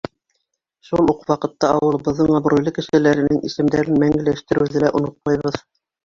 Шул уҡ ваҡытта ауылыбыҙҙың абруйлы кешеләренең исемдәрен мәңгеләштереүҙе лә онотмайбыҙ.